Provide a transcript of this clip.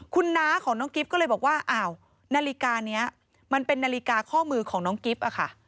คุณน้าของน้องกิ๊บก็เลยบอกว่าอ้าวนาฬิกานี้มันเป็นนาฬิกาข้อมือของน้องกิ๊บอะค่ะ